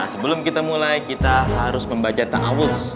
sebelum kita mulai kita harus membaca ta'awudz